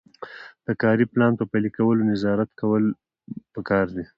د کاري پلان په پلي کولو نظارت کول پکار دي.